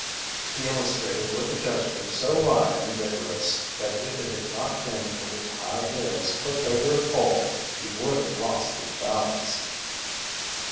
He illustrated with a gesture so wide and vigorous that if it had not been for his high heels hooked over a pole he would have lost his balance.